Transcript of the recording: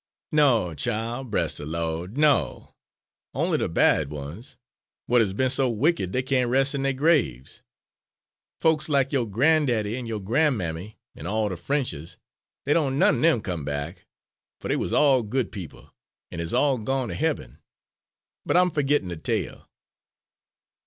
"No, chile, bress de Lawd, no. Only de bad ones, w'at has be'n so wicked dey can't rest in dey graves. Folks lack yo' gran'daddy and yo' gran'mammy an' all de Frenches dey don' none er dem come back, fer dey wuz all good people an' is all gone ter hebben. But I'm fergittin' de tale.